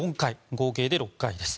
合計で６回です。